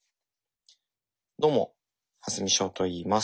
どうも蓮見翔といいます。